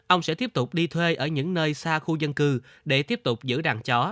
ông sẽ tiếp tục đi thuê ở những nơi xa khu dân cư để tiếp tục giữ đàn chó